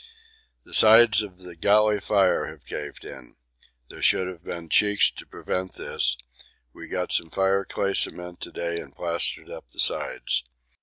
The sides of the galley fire have caved in there should have been cheeks to prevent this; we got some fire clay cement to day and plastered up the sides.